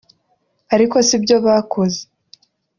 ariko si byo bakoze